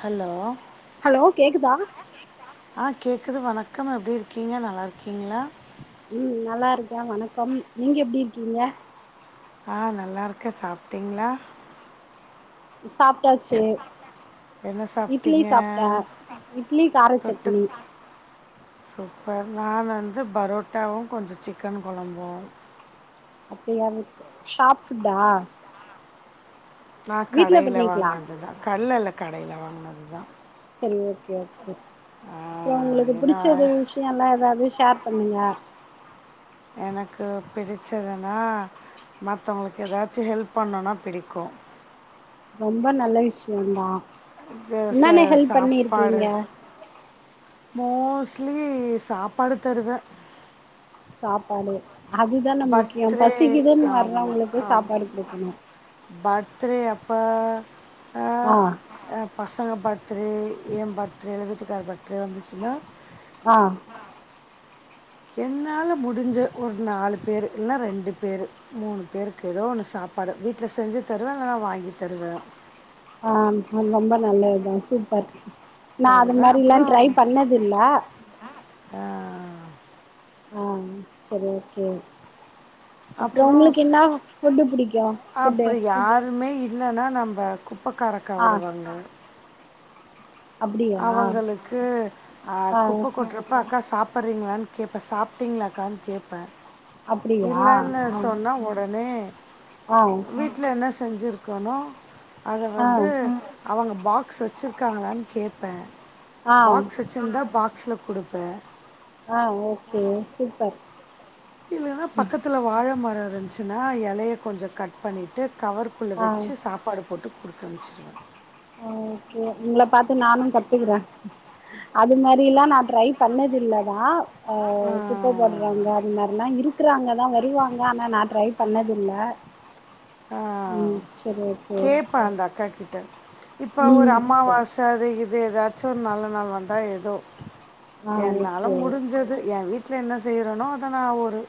Hello hello கேக்குதா ஆ கேக்குது வணக்கம் எப்படி இருக்கீங்க நல்லா இருக்கீங்களா ம் நல்லா இருக்கே வணக்கம் நீங்க எப்படி இருக்கீங்க ஆ நல்லாருக்கே சாப்ட்டீங்களா சாப்ட்டாச்சு என்ன இட்லி சாப்பிட்டீங்க சாப்ட்ட இட்லி தொட்டு காரசட்னி சூப்பர் நா வந்து பரோட்டாவு கொஞ்ச சிக்கன் கொழம்பு அப்படியாது ஷாப்டா நா கடையில பண்ணிங்களா வாங்னதுதா கல்லல்ல கடையில வாங்னது தா சரி ஓகே ஓகே அப்புறம் உங்களுக்கு ஏன்னா புடிச்சது விஷ்யோ எல்லா எதாவது ஷேர் பண்ணுங்க எனக்கு பிடிச்சதுன்னா மத்தவங்களுக்கு எதாச்சு ஹெல்ப் பண்ணனுன்னா பிடிக்கு ரொம்ப நல்ல விஷ்யந்தா இது என்னானே ச- ஹெல்ப் பண்ணி சாப்பாடு இருக்கீங்க மோஸ்ட்லி சாப்பாடு தருவே சாப்பாடு அதுதான முக்கியம் பர்த்டே பசிக்குதுன் ஆமாம் வர்றவங்களுக்கு சாப்பாடு ஆமாம் குடுக்கணு பர்த்டே அப்ப ஆ அ பசங்க பர்த்டடே எ பர்த்டே இல்ல வீட்டுக்கார் பர்த்டே வந்துச்சுன்னா ஆ என்னால முடுஞ்ச ஒரு நாலு பேரு இல்னா ரெண்டு பேரு மூனு பேருக்கு எதோ ஒண்ணு சாப்பாடு வீட்டுல செஞ்சு தருவே இல்லன்னா வாங்கி தருவே ஆ ரொம்ப நல்லதுதா சூப்பர் நா அது மாரில்லா ட்ரை பண்ணதுல்ல ஆ ஆ சர் ஓகே அப்புற அப்புறம் உங்களுக் என்னா ஃபுட்டு புடிக்கு ஃபுட்டு அப்படி யாருமே இல்லன்னா நம்ப குப்பைக்கார அக்கா ஆ வருவாங்க அப்டியா அவங்களுக்கு அ ஆ குப்ப கொற்ற ப்ப அக்கா சாப்பறிங்களான் கேப்பே சாப்ட்டீங்களாக்கான் கேப்பே அப்டியா இல்லனு ஆ சொன்னா ஒடனே ஆ வீ ட்ல என்ன செஞ்சுருக்கனோ அத ஆ வந்து அவங்க பாக்ஸ் வச்சிருக்காங்களான் கேப்பே ஆ பாக்ஸு வச்சிருந்தா பாக்ஸ்ல குடுப்பே ஆ ஓகே சூப்பர் இல்லன்னா பக்கத்தில வாழ மரோ இருந்துச்சுனா எலய கொஞ்ச கட் பண்ணிட்டு கவர் குள்ளே ஆ வச்சு சாப்பாடு போட்டு குடுத்து அனுப்ச்சிருவே உ ஓகே உங்கள பாத்து நானு கத்துக்குறே அது மாரிலா நா ட்ரை பண்ணது இல்லதா ஆ குப்ப போடுறாங்க ஆ. அது மாரிலா இருக்கறாங்க தா வருவாங்க ஆனா நா ட்ரை ட்ரை பண்ணதில்ல உ சரி ஓகே கேட்பேன் அந்த அக்கா கிட்ட இப்போ ஒரு ம் சரி அம்மாவாச அது இது ஏதாச்சு ஒரு நல்ல நாள் வந்தா எதோ ஆ என்னால ஓகே முடிஞ்சது எ வீட் வீட்ல என்ன செய்றனோ அத நா ஒரு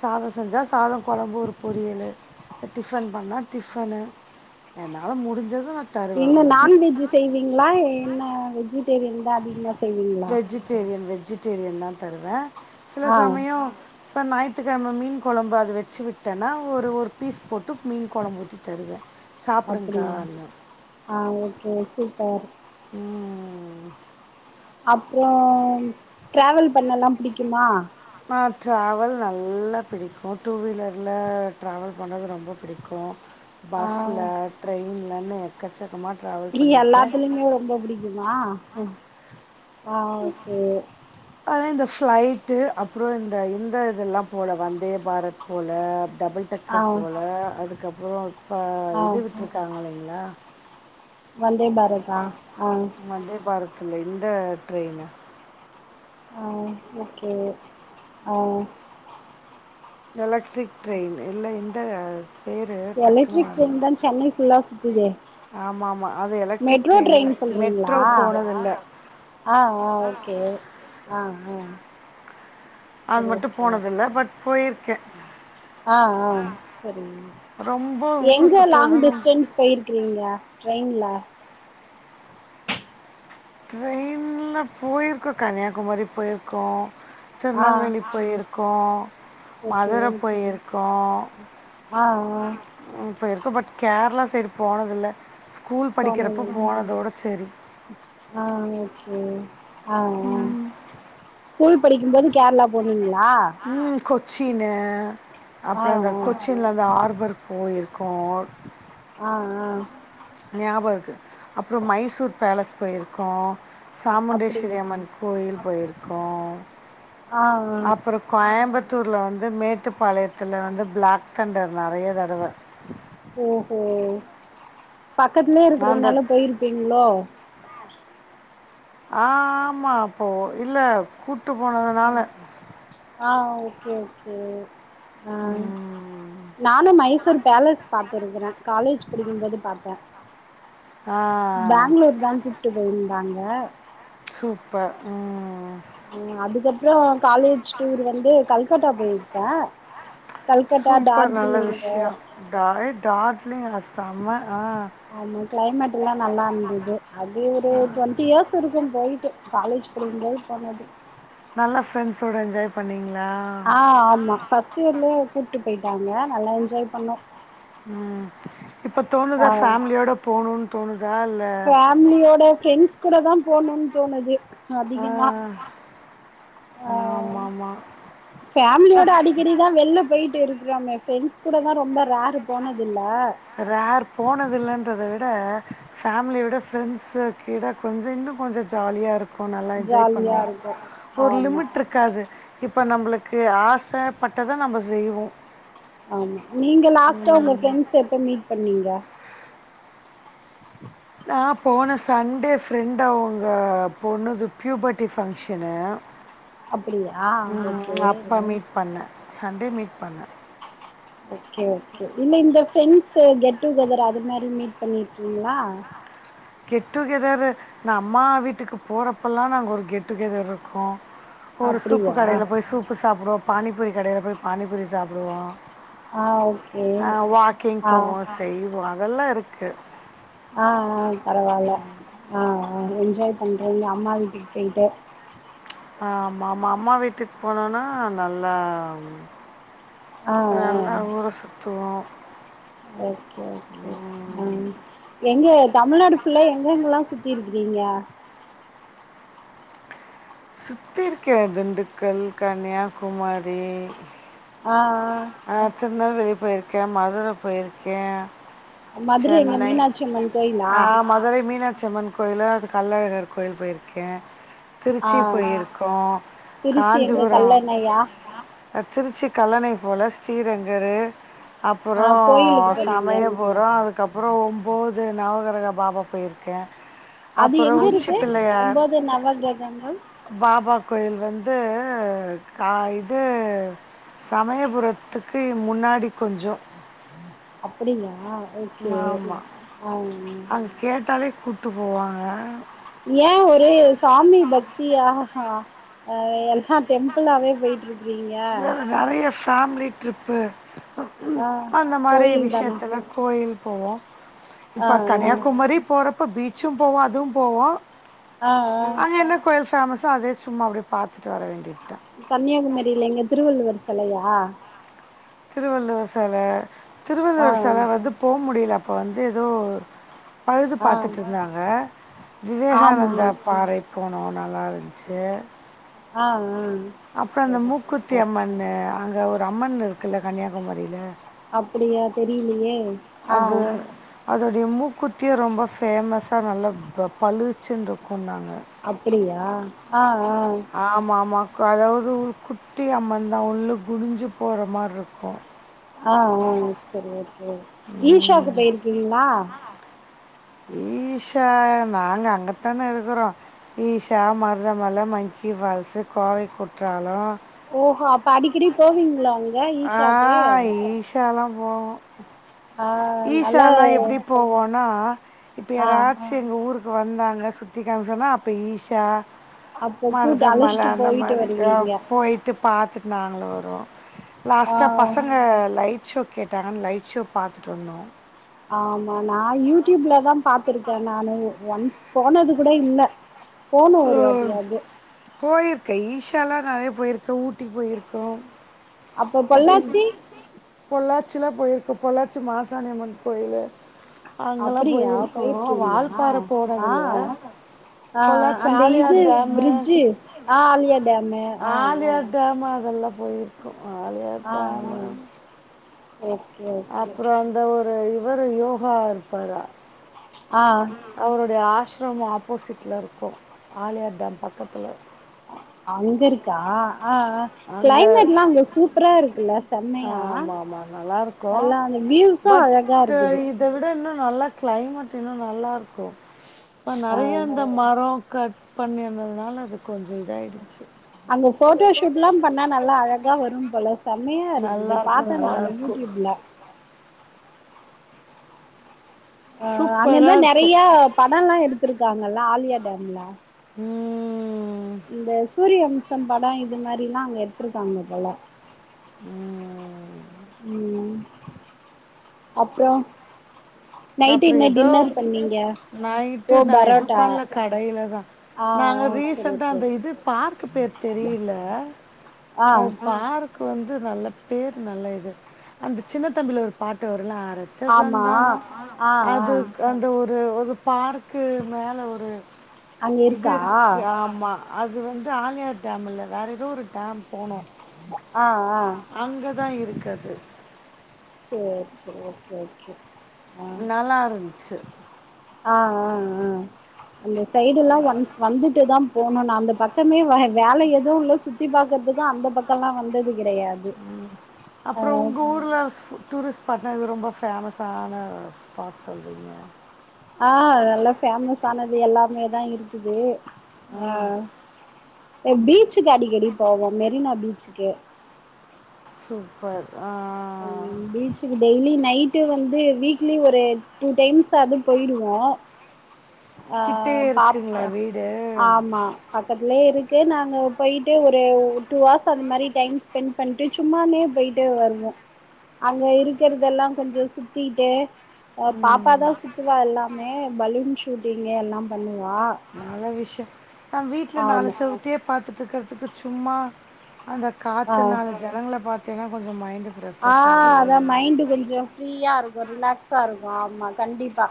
சாதோ செஞ்சா சாதோ கொழம்பு ஒரு பொரியலு டிஃபன் பண்ணா டிஃபனு என்னால முடிஞ்சத வச் என்ன நான்வெஜ் செய்வீங்களா என்ன வெஜிடேரியன் தா அதிகமா செய் வெஜிடேரியன் வெஜிடேரியன் தா தருவே சில ஆ சமயோ இப்ப ஞாயி்த்துகெழம மீன் கொழம்பு அது வச்சு விட்டேன்னா ஒரு ஒரு பீஸ் போட்டு மீன் கொழம்பு ஊத்தி தருவே அப்படி ஆ ஓகே சூப்பர் உ அப்றோம் ட்ராவல் பண்ணலா பிடிக்குமா ஆ ட்ராவல் நல்லா பிடிக்கு டூ வீலர்ல ட்ராவல் பண்ணுறது ரொம்ப பிடிக்கு ஆ பஸ்ல ட்ரெயின்லனு எக்கச்சக்கமா ட்ராவல் பண்ணிருக்கே எல்லாத்துலயுமே ரொம்ப புடிக்குமா ஒ ஆ ஓகே அத இந்த பிளைடு அப்புறோ இந்த இந்த இதெல்லா போல வந்தே பாரத் போல ட [unintelligible] ஆ டக்கர் போல அதுக்கப்புறோ இப்போ ஆ இது விட்ருக்காங்களேங்களா வந்தே பாரத்தா ஆ வந்தே பாரத்தில இந்த ட்ரெயினு ஆ ஓகே ஆ எலக்ட்ரிக் ட்ரெயின் இல்ல இந்த பேர் டக்குன்னு எலக்ட்ரிக் ட்ரைன் தா சென்னை ஃபுல்லா சுத்துதே ஆமாமா அது எலக்ட்ரிக் மெட்ரோ ட்ரெயின்ல ட்ரெயின் சொல்றீங்களா மெட்ரோ போனதுல்ல ஆ ஆ ஓகே ஆ ஆ அது சரி மட்டு ஓகே போனதில்ல பட் போயிருக்கே ஆ ஆ சரி ரொம்ப ஊர் எங்க லாங் சுற்றுறதுன்னு டிஸ்டன்ஸ் போயிருக்கறீங்க ட்ரெயின்ல ட்ரெயின்ல போயிருக்கோ கன்னியாகுமரி போயிருக்கோ ஆ திருநெல்வேலி போயிருக் கோ ஓகே மதுர போயிருக்கோ ஆ ஆ உ போய்ருக்கோ பட் கேரளா சைடு போனதில்ல ஸ்கூல் படிக்கிறப்போ கோனவில் போனதோட சரி ஆ ஓகே ஆ உ ஆ ஸ்கூல் படிக்கும்போது கேரளா போனீங்களா உ கொச்சின்னு ஆ அப்ற அந்த ஆ கொச்சின்ல அந்த ஹார்பர் போயிருக்கோ ஆ ஆ ஞாபகர்க்கு அப்றம் மைசூர்ப் பேலஸ் போயிருக்கோ அ சாமுண்டேஸ்வரி அப்படியா அம்மன் கோவில் போயிருக்கோ ஆ ஆ அப்பறக் கோயம்பத்தூர்ல வந்து மேட்டுப்பாளையத்தில வந்து பிளாக் தெண்டர் நெறைய தடவ ஓஹோ பக்கத்துலியே நான் அந்த இருக்கறதனாலப் போயிருப்பீங்ளோ ஆ ஆமா அப்போ இல்ல கூட்டுப் போனதுனால ஆ ஓகே ஓகே ம் நானும் மைசூர் பேலஸ் பாத்துருக்கறே காலேஜ் படிக்கும்போது பாத்தே ஆ பெங்ளூர்தாங் கூப்ட்டு போயிந்தாங்க சூப்ப ம் ம் அதுக்கப்றோ காலேஜ் ச் டூரு வந்து கல்கட்டா போயிருக்கே கல்கட்டா டார்ஜிலிங்கே டாய் டார்ஜிலிங்கா செம்ம ஆ ஆமா கிளைமேட்ல்லா நல்லார்ந்தது அதி ஒரு டுவெண்ட்டி இயர்ஸ் இருக்கும் போயிட்டு காலேஜ் படிக்கும்போது போனது நல்லா ஃபிரெண்ட்ஸோட என்ஜாய் பண்ணிங்ளா ஆ ஆமா ஃபர்ஸ்ட்டியர்லியே கூட்டு போயிட்டாங்க நல்லா என்ஜாய் பண்ணோ ம் இப்பத் ஆ தோணுதா ஃபேம்லியோடப் போணுன் தோணுதா இல்ல ம்லியோட ஃபிரெண்ட்ஸ் கூடதாம் போணுன் தோணுது அதிகமா ஆ ஆமாம் ஆமாம் ஃபேம்லியோட அடிக்கடிதா வெள்லப் போயிட்டிருக் க்றோமே ஃபிரெண்ட்ஸ் கூடதா ரொம்ப ரேரு போனதுல்ல ரேர் போனதில்லன்றத விட ஃபேம்லியோட ஃபிரெண்ட்ஸ கிட கொஞ்சோ இன்னு கொஞ்சோ ஜாலியாருக் கு நல்லா என்ஜாய் ஜாலியா பண்ணுவோ இருக்கு ஒரு ஆமா லிமிட்ருக் காது இப்போ நம்மளுக்கு ஆசப்பட்டத நம்ப செய்வோ ஆமா நீங்க லாஸ்ட்டா உங்க ஃபிரெண்ட்ஸ எப்ப மீட் பண்ணீங்க நா போன சண்டே ஃபிரெண்டு அவங்க பொண்ணுது பியூபட்டி ஃபங்க்ஷனு அப்டியா ஓகே ம் அப்ப மீட் பண்ணே சண்டே மீட் பண்ணே ஓகே ஓகே இல்ல இந்த ஃபிரெண்ட்ஸு கெட் டூ கெதர் அது மாரி மீட் பண்ணிர்க்கீங்ளா கெட் டு கெதரு நா அம்மா வீட்டுக்கு போறப்பல்லா நாங்க ஒரு கெட் டு கெதர் ருக்கு ஒரு சூப்பு அப்டியா கடைல போய் சூப்பு சாப்டுவோப் பானிபூரி கடைல போய் பானிபூரி சாப்டுவோ ஆ ஓகே அ வாக்கிங் ஆ போவோ செய்வோ அதெல்லா இருக்கு ஆ ஆ பரவால்ல ஆ ஆ என்ஜாய் பண்றீங்க அம்மா வீட்டுக்கு போயி்ட்டு ஆ மாம்மா அம்மா வீட்டுக் போனோனா நல்லாம் ஆ அ ஆ நல்லா ஊற சுத்துவோ ஓகே ஓகே அ எங்க தமிழ்நாடு ஃபுல்லா எங்க எங்கலா சுத்தி இருகிறீங்க சுத்திருக்கே திண்டுக்கல் கன்னியாகுமாரி ஆ ஆ ஆ திருநெல்வேலி போயிருக்கே மதுரப் போயிருக்கே மதுரை எங்க சென்னை மீனாட்சி அம்மன் கோயிலா ஆ மதுரை மீனாச்சி அம்மன் கோயிலு அது கள்ளழகர் கோயில் போயிருக்கே ஆ திருச்சி போயிருக்கோ திருச்சி எங்க காஞ்சிபுரோ கல்லணையா அ திருச்சி கல்லணை போல ஸ்ரீரங்கரு அப்பறோ ஆ கோயிலுக்கு போனீங்க சமையபுரம் அதுக் கப்பறம் ஒம்போது நவகிரக பாபா போயிருக்கே அது அப்பறோ எங்க உச்சி இருக்கு பிள்ளையார் ஒன்பது நவ கிரகங்கள் பாபா கோயில் வந்து கா இது சமய புரத்துக்கு முன்னாடி கொஞ்சம் அப்டிங்களா ஓகே ஆமாம் ஆ அங்கே கேட்டாலே கூட்டு போவாங்க ஏன் ஒரே சாமி பக்தியா ஆ எல்லா டெம்புளாவே போய்ட்டு இருக்கிறீங்க நறையா ஃபேமிலி ட்ரிப்பு ஆ அந்த மாரி கோயில் தானா விஷியத்தில கோயில் போவோம் ஆ இப்ப கன்னியாகுமரி போறப் ப பீச்சும் போவோம் அதுவும் போவோம் ஆ ஆ ஆ அங்க எதனா கோயில் ஃபேமஸோ அதே சும்மா அப்டே பாத்துட்டு வர வேண்டியதா கன்னியாகுமரில்ல இங்க திருவள்ளுவர் செலையா திருவள்ளுவர் செல ஆ திருவள்ளுவர் செல வந்து போ முடியில அப்ப வந்து எதோ பழுது ஆ பாத்துட்டு இருந்தாங்க ஆமா விவேகானந்தா பாறை போனோம் நல்லா இருந்துச்சி ஆ ம் அப்பறம் அந்த மூக்குத்தி அம்மன்னு அங்க ஒரு அம்மன் இருக்குல்ல கன்னியாகுமரியில அப்டியா தெரியிலயே அது அதோடைய மூக்குத்தியே ரொம்ப ஃபேமஸ்ஸா நல்லா ப பலிச்சின் இருக்குன்னாங்க அப்டியா ஆ ஆ ஆமா ஆமா க அதாவது ஒரு குட்டி அம்மந்தான் உள்ள குனிஞ்சி போற மாறி இருக்கும் ஆ ஆ செரி ஓகே ஈஷாக்கு போயிருக்கீங்களா ஈஷா நாங்க அங்கதான இருக்கறோ ஈஷா மருதமல்ல மங்க்கி ஃபால்ஸு கோவை குற்றாலம் ஓஹோ அப்ப அடிக்கடி போவீங்களா அங் ஆ ஈஷாலா போவோம் ஆ நல்லா ஈஷாலா எப்டி போவோன்னா இப்ப ஆ யாராச்சி எங்க ஊருக்கு வந்தாங்க சுத்தி காமி சொன்னா அப்ப ஈஷா அப்ப கூட்டு மருதமல அழைச்சிட்டு அந்த போயிட்டு மாரி ஆ வருவீங்க போயிட்டு பாத்துட்டு நாங்களு வருவோம் லாஸ்ட்டா ஆ பசங்க லைட் ஷோ கேட்டாங்கன் லைட் ஷோ பாத் துட்டு வந்தோ ஆமா நா யூடியூப்ல தா பாத்துருக்கேன் நானும் ஒன்ஸ் போனது கூட இல்ல ஆ போனும் ஒருவாட்டியாவது போயிருக்க ஈஷாலாம் நறையா போயிருக்கன் ஊட்டிக்கு போயிருக்கோம் பட்டு பொள்ளாச்சி பொள்ளாச்சிலா போயிருக்கோம் பொள்ளாச்சி மாசாணியம்மன் கோயிலு அப்டியா போயிருக்கீங்ளா ஆ போனதில்ல ஆ பொள்ளாச்சி அந்த இது ஆலியார் டேமு பிரிட்ஜு ஆ ஆலியா டேமு ஆ ஆ ஆலியார் டேம் அதல்லா போயிருக்கோம் ஆலியார் ஆ ஆ டேமு ஓகே ஓகே அப்புறம் அந்த ஒரு இவரு யோகா இருப்பாரா ஆ அவருடைய ஆசிரமம் ஆப்போசிட்ல இருக்கும் ஆலியார் டேம் பக்கத்துல அங்க இருக்கா ஆ கிளைமட் எல்லா அங்க சூப்பரா இருக்குல்ல ஆ செம்மையா ஆமா ஆமா நல்லா இருக்கும் நல்லா அந்த வியூஸு பட் அழகா இ இருக்குது இத விட இன்னு நல்லா கிளைமேட் இன்னு நல்லா இருக்கும் இப்ப ஆ நெறைய இந்த மர கட் பண்ணிருந்ததுனால அது கொஞ்ச இதாயிடுச்சு அங்க போட்டோ ஷூட் எல்லா பண்ணா நல்லா அழகா வரும் போல செம்மையா இருக்குது நல்லா இருக்கும் பார்த்த நல்லா நானு இருக்கும் யூடியூப்பில்ல ஆ அங்க சூப்பரா இருந்தா இருக்கும் நெறையா பட எல்லாம் எடுத்திருக்காங்கல்ல ஆலியா டேம்ல ம் இந்த சூரியவம்சம் பட இது மாதிர எல்லா அங்க எடுத்திருக்காங்க போல ம் ம் அப்பற அப்பற ஏதோ நைட்டு ஓ நா எதுவு பரோட்டா பண்ணல கடையில தா ஆ நாங்க ஆ சரி ரீசன்டா ஓகே அந்த ஓகே இது பார்க்க பேர் தெரில ஆ அது பார்க் வந்து நல்ல பேர் நல்ல இது அந்த சின்ன தம்பில ஒரு பாட்டு வரும்ல ஆரச்ச அரச்ச ஆமா சந்தனம் ஆ ஆ அது அந்த ஒரு ஒரு பார்க்கு மேல ஒரு அங்க இது இருக்கா இருக்குது ஆமா அது வந்து ஆலியார் டேமில் வேற ஏதோ ஒரு டேம் போனோ ஆ ஆ அங்கதா இருக்கு அது சேர் சேரி ஓகே ஓகே ஆ நல்லா இருந்துச்சு ஆ ஆ ஆ அந்த சைடு எல்லா ஒன்ஸ் வந்துட்டு தா போகணும் நா அந்த பக்கமே வ வேல எதுவும் இல்ல சுத்தி பாக்கறதுக்கு அந்த பக்கலா வந்தது கிடையாது ம் அப்பற உங்க ஊர் ருளா டூரிஸ்ட் பாட்னா எது ரொம்ப ஃபேமஸான ஸ்பாட் சொல்வீங்க ஆ நல்ல பேஃபேமஸ் ஆனது எல்லாமே தா இருக்குது ஆ ஏ பீச்சுக்கு அடிக்கடி போவோ மெரினா பீச்சுக்கு சூப்பர் ஆ ஆ பீச் பீச்க்கு டெய்லி நைட்டு வந்து வீக்லி ஒரு டு டைம்ஸ்வது போயிடுவோ ஆ கிட்டே இருக்குங்களா பாப்ப வீடு ஆமா பக்கத்துலயே இருக்கு நாங்க போயிட்டு ஒரு டூ அவர்ஸ் அந்த மாதிரி டைம் ஸ்பெண்ட் பண்ணிட்டு சும்மானே போயிட்டு வருவோ அங்க இருக்கறதெல்லா கொஞ்ச சுத்திட்டு பாப்பாதா சுத்துவா எல்லாமே பலூன் ஷூட்டிங்க எல்லா பண்ணுவா நல்ல விஷய அ வீட்டில் நாலு ஆமா செவுத்தையே பார்த்துட்டுருக்கிறதுக்கு சும்மா அந்த ஆ காத்து நாலு ஜனங்கள பார்த்தீங்கன்னா கொஞ்ச மைண்ட ஆ அதா மைண்டு கொஞ்ச ஃப்ரீயா இருக்கும் ரிலாக்ஸா இருக்கும் ஆமா கண்டிப்பா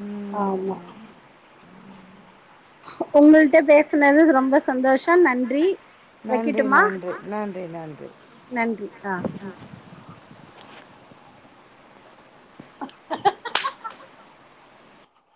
ம் ஆமா உங்கள்ட்ட பேசுனது ரொம்ப சந்தோஷ நன்றி நன்றி வைக்கட்டுமா நன்றி நன்றி நன்றி நன்றி ஆ